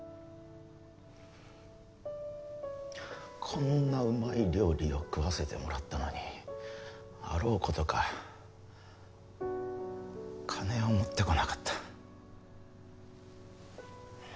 こんなうまい料理を食わせてもらったのにあろう事か金を持ってこなかった。